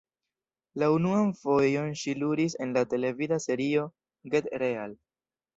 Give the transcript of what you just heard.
La unuan fojon ŝi ludis en la televida serio "Get Real".